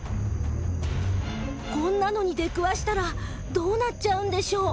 こんなのに出くわしたらどうなっちゃうんでしょう？